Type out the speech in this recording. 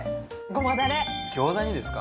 ゴマだれ餃子にですか？